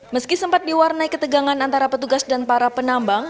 meski sempat diwarnai ketegangan antara petugas dan para penambang